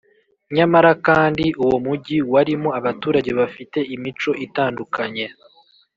nyamara kandi uwo mugi warimo abaturage bafite imico itandukanye